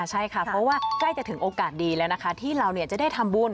ใช่ค่ะเพราะว่าใกล้จะถึงโอกาสดีแล้วนะคะที่เราจะได้ทำบุญ